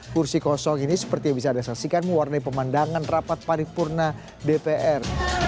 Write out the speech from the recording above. kursi kosong ini seperti yang bisa anda saksikan mewarnai pemandangan rapat paripurna dpr